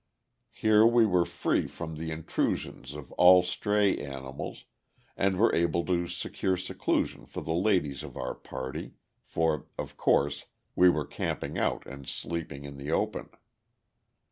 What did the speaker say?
Here we were free from the intrusion of all stray animals, and were able to secure seclusion for the ladies of our party for, of course, we were camping out and sleeping in the open.